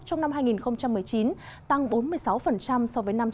trong năm hai nghìn một mươi chín tăng bốn mươi sáu so với năm hai nghìn một mươi tám